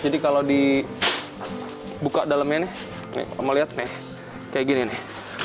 jadi kalau dibuka dalemnya nih nih kamu lihat nih kayak gini nih